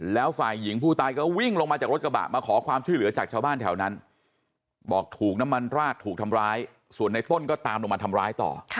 แล้วฝ่ายหญิงผู้ตายก็วิ่งลงมาจากรถกระบะมาขอความช่วยเหลือจากชาวบ้านแถวนั้นบอกถูกน้ำมันราดถูกทำร้ายส่วนในต้นก็ตามลงมาทำร้ายต่อ